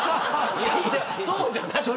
そうじゃなくて。